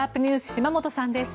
島本さんです。